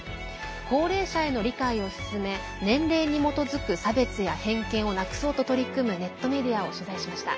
高齢者への理解を進め年齢に基づく差別や偏見をなくそうと取り組むネットメディアを取材しました。